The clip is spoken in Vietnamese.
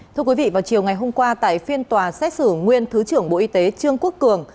thưa quý vị vào chiều ngày hôm qua tại phiên tòa xét xử nguyên thứ trưởng bộ y tế trương quốc cường